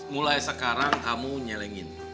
mulai sekarang kamu nyelengin